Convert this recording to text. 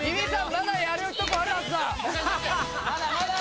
まだやるとこあるはずだ・